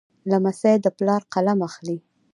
لمسی د پلار قلم اخلي.